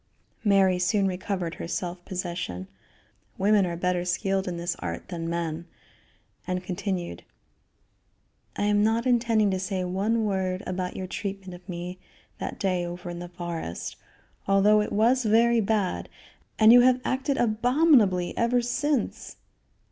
Mary soon recovered her self possession women are better skilled in this art than men and continued: "I am not intending to say one word about your treatment of me that day over in the forest, although it was very bad, and you have acted abominably ever since.